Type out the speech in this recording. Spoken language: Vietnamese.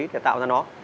để tạo ra nó